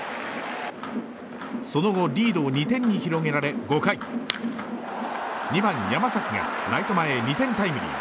その後、リードを２点に広げられ５回２番、山崎がライト前タイムリー。